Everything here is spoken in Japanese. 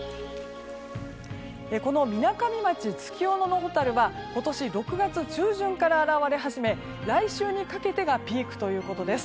このみなかみ町月夜野のホタルは今年６月中旬から現れ始め来週にかけてがピークということです。